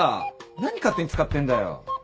何勝手に使ってんだよ。